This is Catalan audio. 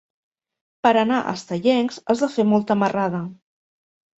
Per anar a Estellencs has de fer molta marrada.